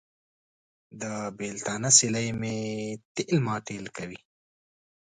د بېلتانه سیلۍ مې تېل ماټېل کوي.